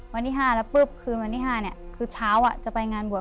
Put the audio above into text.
วันที่๕แล้วปุ๊บคือวันที่๕เนี่ย